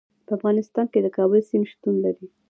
په افغانستان کې د کابل سیند شتون لري.